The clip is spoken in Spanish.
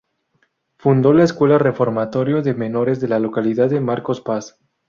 Fundó la Escuela Reformatorio de Menores de la localidad de Marcos Paz.